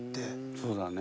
そうだね。